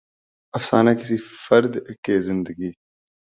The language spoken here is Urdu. افسانہ کسی فرد کے زندگی